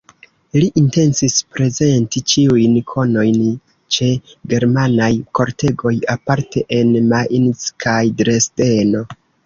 Li intencis prezenti ĉiujn konojn ĉe germanaj kortegoj, aparte en Mainz kaj Dresdeno.